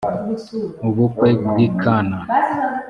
ubukwe bw i kana